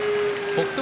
北勝